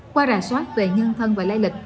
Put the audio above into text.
qua rà soát về nhân thân và lây lịch